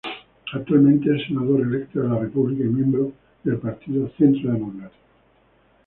Actualmente es senador electo de la República y miembro del partido Centro Democrático.